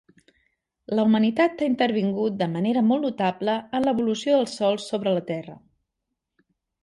La humanitat ha intervingut de manera molt notable en l'evolució dels sòls sobre la terra.